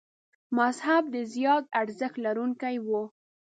مذهب د زیات ارزښت لرونکي و.